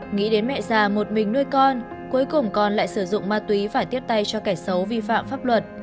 nghĩ đến mẹ già một mình nuôi con cuối cùng con lại sử dụng ma túy và tiếp tay cho kẻ xấu vi phạm pháp luật